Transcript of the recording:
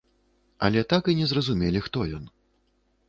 Але так і не зразумелі, хто ён.